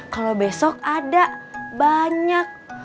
kalau besok ada banyak